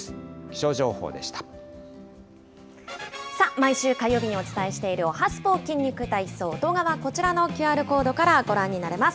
毎週火曜日にお伝えしているおはＳＰＯ筋肉体操、動画はこちらのＱＲコードからご覧になれます。